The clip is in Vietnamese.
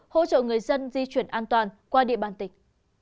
hỗ trợ người dân di chuyển an toàn qua địa bàn tỉnh